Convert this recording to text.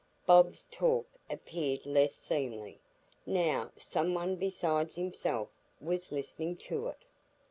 Bob's talk appeared less seemly, now some one besides himself was listening to it.